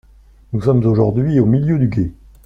Nous sommes aujourd’hui au milieu du gué.